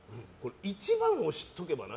１番を知っておけばな